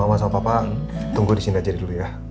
oh ya mama sama papa tunggu di sini aja dulu ya